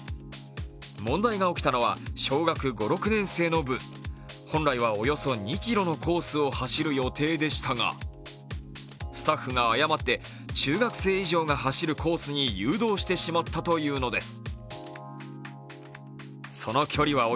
問題が起きたのは小学５、６年生の部本来はおよそ２ｋｍのコースを走る予定でしたが、スタッフが誤って中学生以上が走るコースに誘導してしまったというのです。